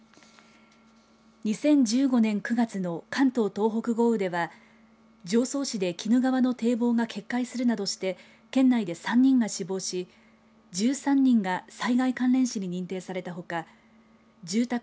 ２０１５年９月の関東・東北豪雨では常総市で鬼怒川の堤防が決壊するなどして県内で３人が死亡し１３人が災害関連死に認定されたほか住宅